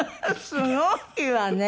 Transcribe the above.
すごいわね。